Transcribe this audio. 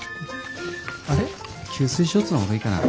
あれ吸水ショーツの方がいいかな。